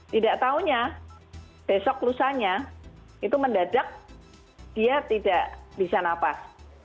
tidak tahunya besok lusanya itu mendadak dia tidak bisa napas